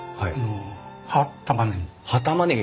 葉たまねぎ。